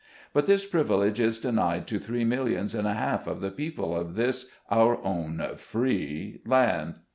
But this privilege is denied to three millions and a half of the people of this, our own "free" land.